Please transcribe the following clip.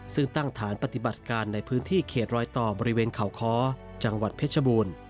ซึ่งตั้งฐานปฏิบัติการในพื้นที่เขตรอยต่อบริเวณเขาค้อจังหวัดเพชรบูรณ์